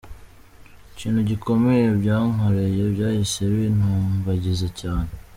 Ikintu gikomeye byankoreye, byahise bintumbagiza cyane.